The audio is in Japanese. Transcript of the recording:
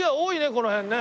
この辺ね。